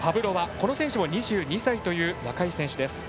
この選手も２２歳という若い選手です。